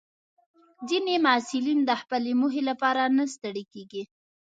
ځینې محصلین د خپلې موخې لپاره نه ستړي کېږي.